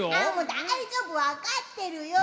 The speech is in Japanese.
大丈夫分かってるよ